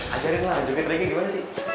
ajarinlah joget reggae gimana sih